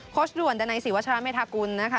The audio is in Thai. โค้ชด่วนดานัยศรีวชาติเมธากุลนะคะ